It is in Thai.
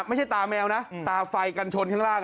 ตาแมวนะตาไฟกันชนข้างล่าง